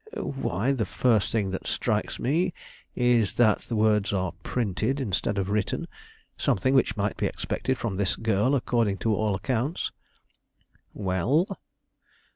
"Why, the first thing that strikes me, is that the words are printed, instead of written; something which might be expected from this girl, according to all accounts." "Well?"